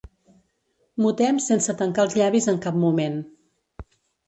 Mutem sense tancar els llavis en cap moment.